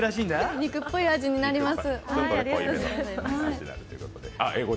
肉っぽい味になります。